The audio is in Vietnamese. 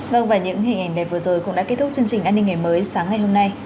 vâng và những hình ảnh này vừa rồi cũng đã kết thúc chương trình an ninh ngày mới sáng ngày hôm nay